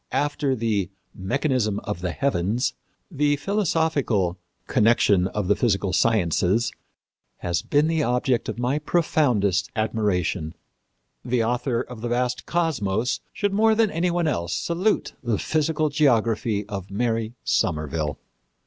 After the Mechanism of the Heavens, the philosophical Connection of the Physical Sciences has been the object of my profound admiration.... The author of the vast Cosmos should more than any one else salute the Physical Geography of Mary Somerville....